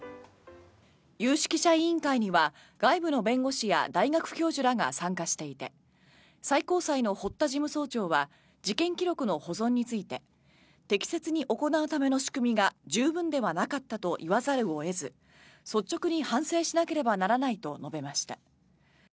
有識者委員会には外部の弁護士や大学教授らが参加していて最高裁の堀田事務総長は事件記録の保存について適切に行うための仕組みが十分ではなかったと言わざるを得ず率直に反省しなければならないと述べました。